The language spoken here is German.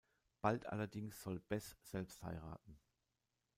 Bald allerdings soll Bess selbst heiraten.